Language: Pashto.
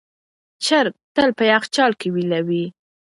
چرګ تل په یخچال کې ویلوئ.